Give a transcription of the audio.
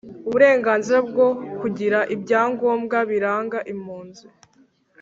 Uburenganzira bwo kugira ibyangombwa biranga impunzi